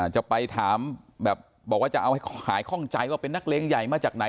จะไปถามแบบบอกว่าจะเอาให้หายคล่องใจว่าเป็นนักเลงใหญ่มาจากไหน